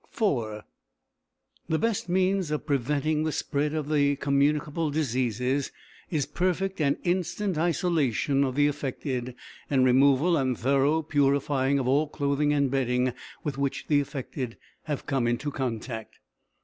IV The best means of preventing the spread of the communicable diseases is perfect and instant isolation of the affected, and removal and thorough purifying of all clothing and bedding with which the affected have come in contact.